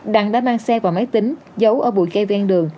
đặng đã mang xe và máy tính giấu ở bụi cây ven đường